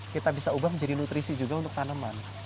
kita bisa ubah menjadi nutrisi juga untuk tanaman